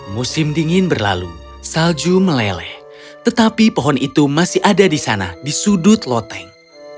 musim dingin berlalu salju meleleh tetapi pohon itu masih ada di sana di sudut loteng